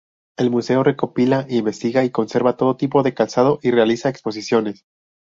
El museo recopila, investiga y conserva todo tipo de calzado y realiza exposiciones.